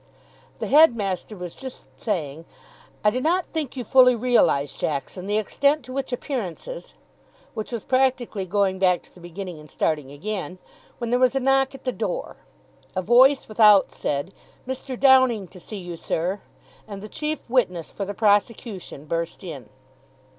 The headmaster was just saying, "I do not think you fully realise, Jackson, the extent to which appearances " which was practically going back to the beginning and starting again when there was a knock at the door. A voice without said, "Mr. Downing to see you, sir," and the chief witness for the prosecution burst in.